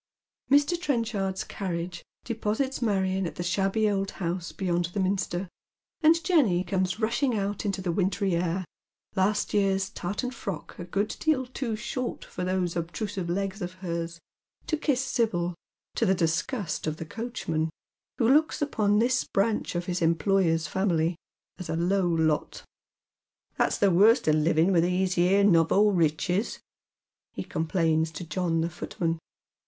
Mr. Trenchard's carriage deposits Marion at the shabby old house beyond the minster, and Jenny comes rushing out into the wintry air — last year's tartan frock a good deal too short for those obtrusive legs of hers — to kiss Sibyl, to the disgust of the coachman, who looks upon this branch of his employer's family ae a low lot. " That's the worst of living with these here nowo riches," he complains to John the footman.